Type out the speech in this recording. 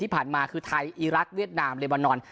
ที่ผ่านมาคือไทยอีรักษ์เวียดนามเลบานอน